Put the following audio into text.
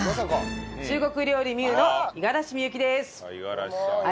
中国料理美虎の五十嵐美幸です。